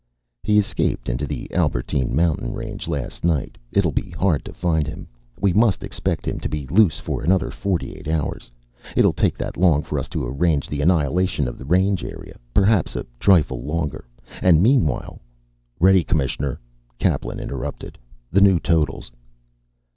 "He escaped into the Albertine Mountain Range last night. It'll be hard to find him. We must expect him to be loose for another forty eight hours. It'll take that long for us to arrange the annihilation of the range area. Perhaps a trifle longer. And meanwhile " "Ready, Commissioner," Kaplan interrupted. "The new totals."